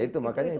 ya itu makanya itu